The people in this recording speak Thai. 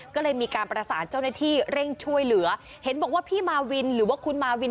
ก็เลยมีการประสานเจ้าหน้าที่เร่งช่วยเหลือเห็นบอกว่าพี่มาวินหรือว่าคุณมาวิน